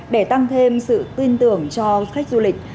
để tăng thêm sự tin tưởng cho khách du lịch